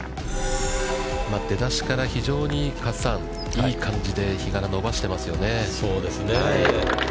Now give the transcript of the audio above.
出だしから非常に加瀬さん、いい感じで比嘉が伸ばしてますよね。